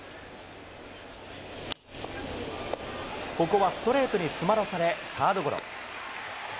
ここはストレートに詰まらされ、サードゴロ。